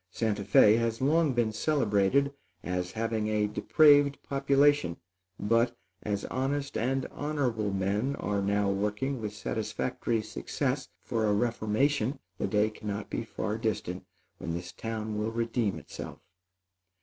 Santa Fé has long been celebrated as having a depraved population; but, as honest and honorable men are now working with satisfactory success for a reformation, the day cannot be far distant when this town will redeem itself.